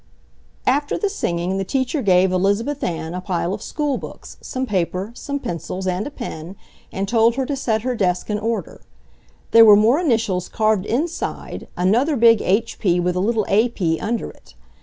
After the singing the teacher gave Elizabeth Ann a pile of schoolbooks, some paper, some pencils, and a pen, and told her to set her desk in order. There were more initials carved inside, another big H. P. with a little A. P. under it.